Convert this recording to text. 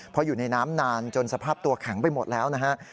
เพราะอยู่ในน้ำนานจนสภาพตัวแข็งไปหมดแล้วนะฮะ